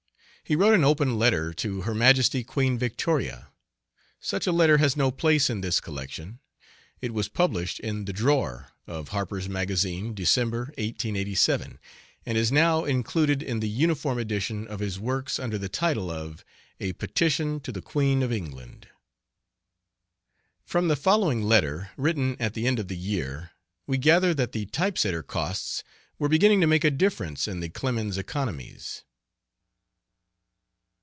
He wrote an open letter to Her Majesty Queen Victoria. Such a letter has no place in this collection. It was published in the "Drawer" of Harper's Magazine, December, 1887, and is now included in the uniform edition of his works under the title of, "A Petition to the Queen of England." From the following letter, written at the end of the year, we gather that the type setter costs were beginning to make a difference in the Clemens economies.